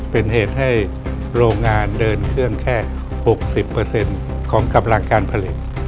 เป็นเหตุให้โรงงานเดินเครื่องแค่๖๐ของกำลังการผลิต